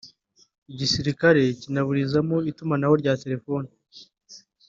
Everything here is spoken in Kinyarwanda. igisirikare kinaburizamo itumanaho rya telefoni